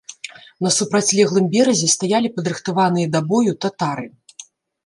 На супрацьлеглым беразе стаялі падрыхтаваныя да бою татары.